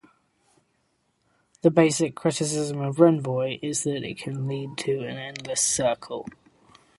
The basic criticism of renvoi is that it can lead to an endless circle.